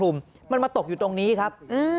มันมาตกอยู่ตรงนี้ครับ